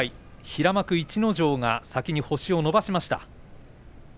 平幕逸ノ城が星を伸ばしました。